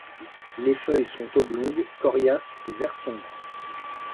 Les feuilles sont oblongues, coriaces et vert sombre.